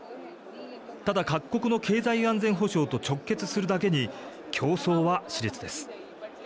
ただ、各国の経済安全保障と直結するだけに競争はしれつです。